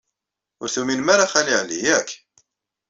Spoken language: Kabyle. Ur tuminem ara Xali Ɛli, yak?